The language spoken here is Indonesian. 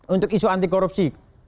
untuk isu anti korupsi